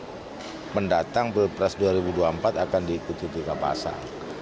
jadi pendatang pilpres dua ribu dua puluh empat akan diikuti tiga pasang